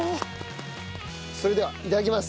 それではいただきます。